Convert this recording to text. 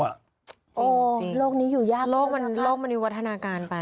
โอ้โฮโลกนี้อยู่ยากโลกมันมีวัฒนาการไป